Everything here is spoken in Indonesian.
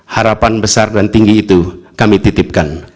harapan besar dan tinggi itu kami titipkan